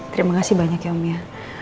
terima kasih banyak ya om ya